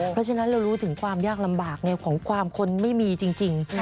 เพราะฉะนั้นเรารู้ถึงความยากลำบากของความคนไม่มีจริง